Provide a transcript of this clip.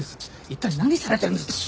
一体何されてるんですか？